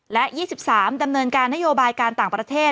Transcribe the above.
และยี่สิบสามดำเนินการนโยบายการต่างประเทศ